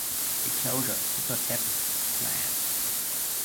The closure did not happen as planned.